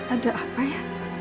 ada apa ya